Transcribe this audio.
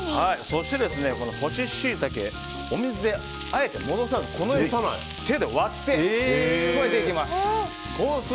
そして、干しシイタケはお水であえて戻さず手で割って加えていきます。